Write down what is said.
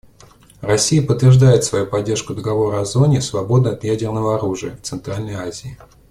Россия подтверждает свою поддержку Договора о зоне, свободной от ядерного оружия, в Центральной Азии.